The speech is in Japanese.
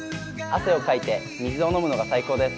汗をかいて水を飲むのが最高です。